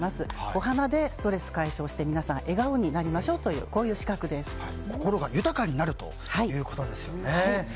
お花でストレス解消して皆さん笑顔になりましょうという心が豊かになるということですよね。